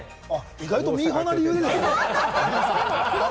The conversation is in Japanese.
意外とミーハーな理由ですね。